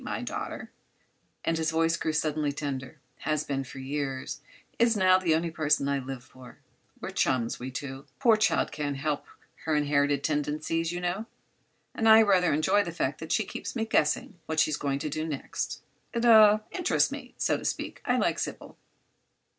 My daughter," and his voice grew suddenly tender, "has been for years—is now—the only person I live for. We're chums, we two. The poor child can't help her inherited tendencies, you know, and I rather enjoy the fact that she keeps me guessing what she's going to do next. It—er—interests me, so to speak. I like Sybil."